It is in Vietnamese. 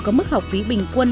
có mức học phí bình quân